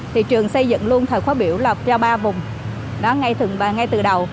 thì trường xây dựng luôn thờ khóa biểu là cho ba vùng đó ngay từ đầu